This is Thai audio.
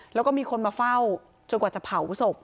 แล้วก็มีคนมาเฝ้าจนกว่าจะเผาศพ